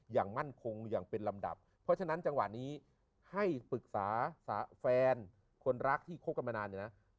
อย่างมั่นคงอย่างเป็นลำดับเพราะฉะนั้นจังหวะนี้ให้ปรึกษาแฟนคนรักที่คบกันมานานเนี่ยนะ